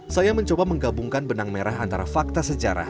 saya mencoba menggabungkan benang merah antara fakta sejarah